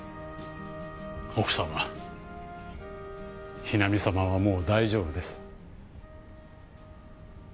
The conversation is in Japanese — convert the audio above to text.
奥様ヒナミ様はもう大丈夫です。